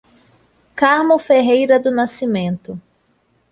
Carmo Ferreira do Nascimento